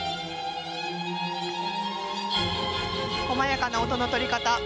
こまやかな音の取り方